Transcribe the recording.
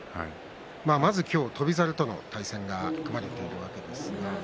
まず今日、翔猿との対戦が組まれているわけですが。